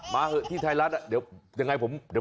มาที่ไทรละทีวีเดี๋ยวผมไปแล้ว